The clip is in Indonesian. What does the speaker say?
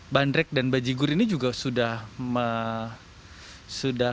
banderik dan bajigur ini juga sudah mengikut